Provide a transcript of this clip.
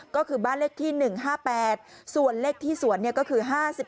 ก็คือบ้านเลขที่๑๕๘ส่วนเลขที่สวนก็คือ๕๑